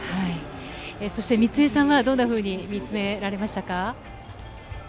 美津恵さんはどんなふうに見つめられましたか？